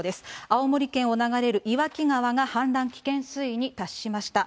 青森県を流れる岩木川が氾濫危険水位に達しました。